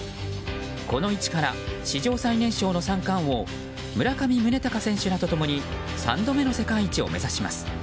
この位置から史上最年少の三冠王村上宗隆選手らと共に３度目の世界一を目指します。